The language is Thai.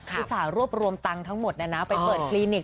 อุตส่าห์รวบรวมตังค์ทั้งหมดไปเปิดคลินิก